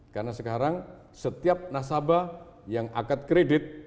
karena sekarang setiap nasabah yang akad kredit